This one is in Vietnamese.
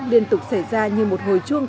liên tục xảy ra như một hồi chuông